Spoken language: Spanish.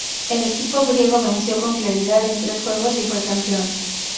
El equipo "griego" venció con claridad en tres juegos y fue campeón.